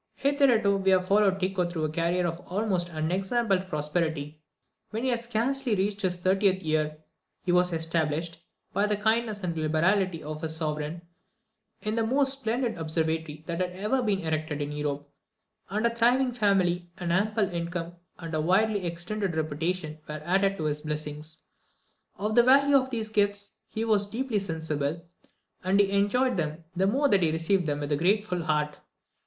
Hitherto we have followed Tycho through a career of almost unexampled prosperity. When he had scarcely reached his thirtieth year he was established, by the kindness and liberality of his sovereign, in the most splendid observatory that had ever been erected in Europe; and a thriving family, an ample income, and a widely extended reputation were added to his blessings. Of the value of these gifts he was deeply sensible, and he enjoyed them the more that he received them with a grateful heart.